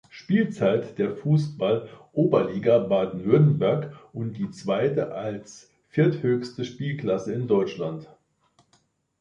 Spielzeit der Fußball-Oberliga Baden-Württemberg und die zweite als vierthöchste Spielklasse in Deutschland.